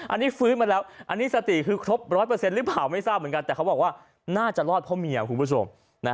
อันนี้ฟื้นมาแล้วอันนี้สติคือครบ๑๐๐หรือเปล่าไม่ทราบเหมือนกันแต่เขาบอกว่าน่าจะรอดเพราะเมียคุณผู้ชม